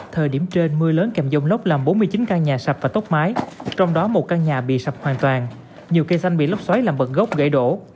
thời điểm trên mưa lớn kèm dông lóc làm bốn mươi chín căn nhà sập và tóc mái trong đó một căn nhà bị sập hoàn toàn nhiều cây xanh bị lóc xoáy làm bậc gốc gãy đổ